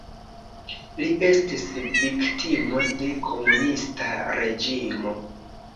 Li estis viktimo de komunista reĝimo.